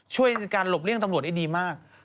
ช่วยในการหลบเลี่ยงตำรวจได้ดีมาก